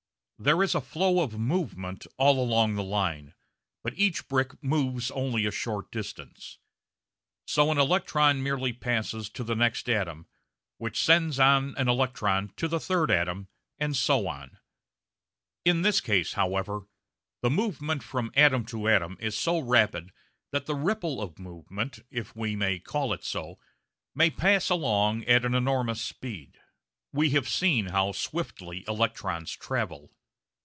There is a flow of movement all along the line, but each brick moves only a short distance. So an electron merely passes to the next atom, which sends on an electron to a third atom, and so on. In this case, however, the movement from atom to atom is so rapid that the ripple of movement, if we may call it so, may pass along at an enormous speed. We have seen how swiftly electrons travel.